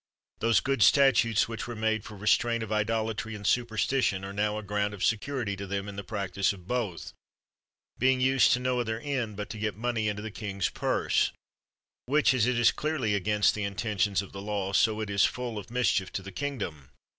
Those good statutes which were made for restraint ot idolatry and superstition, are now a ground ot security to them in the practise of both; being used to no other end but to get money into the kind's purse; which as it is clearly against the intentions of the law, so it is full of mischief to the kingdom.